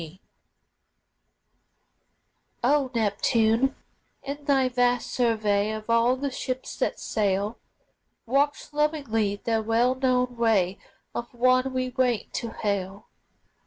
G. O Neptune, in thy vast survey Of all the ships that sail, Watch lovingly the well known way Of one we wait to hail.